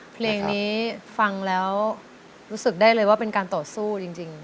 เพลงนี้ฟังแล้วรู้สึกได้เลยว่าเป็นการต่อสู้จริง